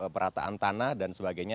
perataan tanah dan sebagainya